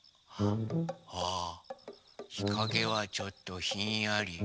あひかげはちょっとひんやり。